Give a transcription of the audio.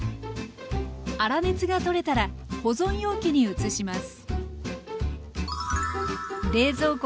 粗熱が取れたら保存容器に移します。